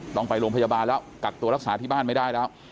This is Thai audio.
ต้องไปโรงพยาบาลแล้วกักตัวรักษาที่บ้านไม่ได้แล้ว